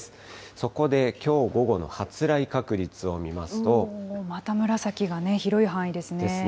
そこできょう午後の発雷確率を見また紫がね、広い範囲ですね。